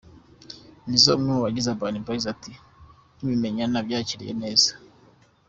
Nizzo umwe mu bagize Urban Boys ati :”Nkibimenya nabyakiriye neza.